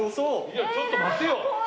いやちょっと待ってよ。